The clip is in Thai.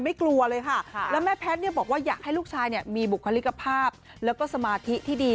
ไม่กลัวเลยค่ะแล้วแม่แพทย์บอกว่าอยากให้ลูกชายมีบุคลิกภาพและสมาธิที่ดี